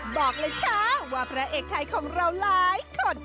บอกเลยค่ะว่าพระเอกไทยของเราหลายคน